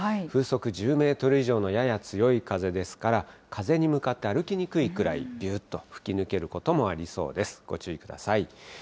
風速１０メートル以上の、やや強い風ですから、風に向かって歩きにくいくらい、びゅーっと吹き抜けることもありそうですから、ご注意ください。